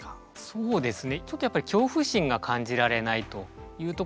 そうですね。